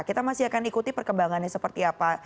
kita masih akan ikuti perkembangannya seperti apa